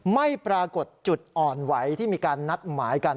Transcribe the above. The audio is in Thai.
ไม่ปรากฏจุดอ่อนไหวที่มีการนัดหมายกัน